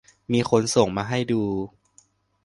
มีคนส่งมาให้ดู